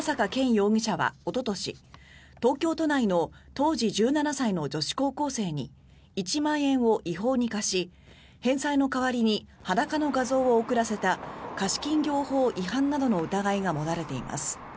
容疑者はおととし東京都内の当時１７歳の女子高校生に１万円を違法に貸し返済の代わりに裸の画像を送らせた貸金業法違反の疑いなどが持たれています。